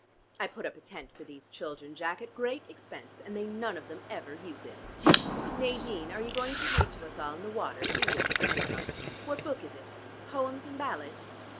I put up a tent for these children, Jack, at great expense, and they none of them ever use it. Nadine, are you going to read to us all in the water? Do wait till I come. What book is it? 'Poems and Ballads?'